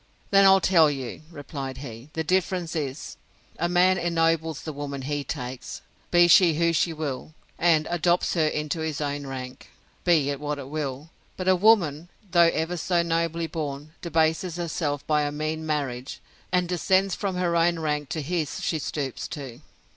Then I'll tell you, replied he; the difference is, a man ennobles the woman he takes, be she who she will; and adopts her into his own rank, be it what it will: but a woman, though ever so nobly born, debases herself by a mean marriage, and descends from her own rank to his she stoops to.